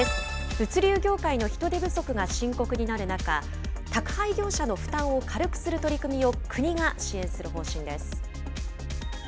物流業界の人手不足が深刻になる中、宅配業者の負担を軽くする取り組みを国が支援する方針です。